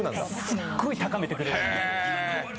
すっごい高めてくれるんですよ。